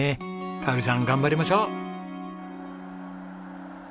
香さん頑張りましょう！